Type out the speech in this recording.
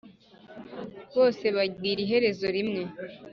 Bose bagira iherezo rimwe